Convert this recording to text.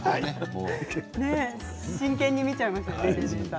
真剣に見ちゃいましたね。